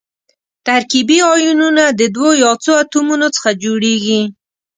ترکیبي ایونونه د دوو یا څو اتومونو څخه جوړیږي.